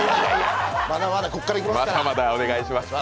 まだまだお願いします。